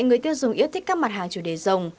người tiêu dùng yêu thích các mặt hàng chủ đề rồng